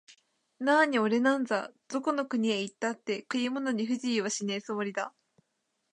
なあにおれなんざ、どこの国へ行ったって食い物に不自由はしねえつもりだ